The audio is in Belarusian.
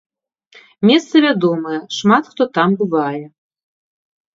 Месца вядомае, шмат хто там бывае.